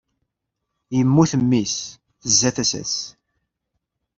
Yemmut mmi-s, tezza tasa-s.